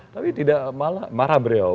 tapi tidak malah marah beliau